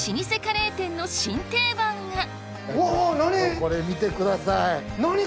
これ見てください。